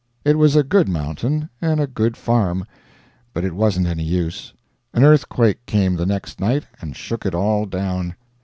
It was a good mountain, and a good farm, but it wasn't any use; an earthquake came the next night and shook it all down.